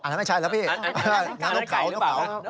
อันนั้นไม่ใช่แล้วพี่